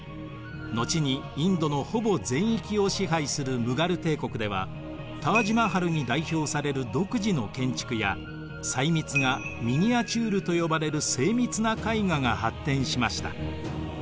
後にインドのほぼ全域を支配するムガル帝国ではタージ・マハルに代表される独自の建築や細密画ミニアチュールと呼ばれる精密な絵画が発展しました。